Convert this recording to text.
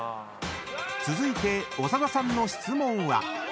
［続いて長田さんの質問は？］